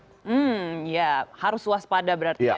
hmm ya harus waspada berarti ya